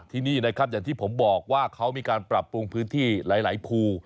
ที่นี่นะครับอย่างที่ผมบอกว่าเขามีการปรับปรุงพื้นที่หลายภู